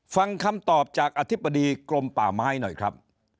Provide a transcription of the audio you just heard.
ฟังคำตอบจากอธิบดีกรมป่าไม้หน่อยครับ